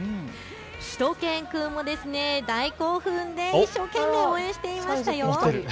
しゅと犬くんも大興奮で一生懸命応援していましたよ。